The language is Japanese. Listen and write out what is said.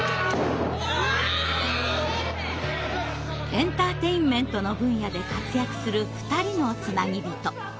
エンターテインメントの分野で活躍する２人のつなぎびと。